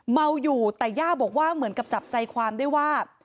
เมาอยู่แต่ย่าบอกว่าเหมือนกับจับใจความได้ว่า